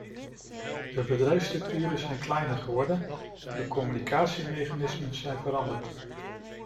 De bedrijfsstructuren zijn kleiner geworden, de communicatiemechanismen zijn veranderd.